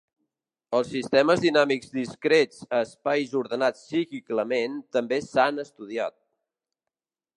Els sistemes dinàmics discrets a espais ordenats cíclicament també s"han estudiat.